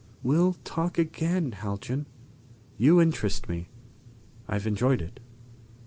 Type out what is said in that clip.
"Well talk again, Haljan. You interest me I've enjoyed it."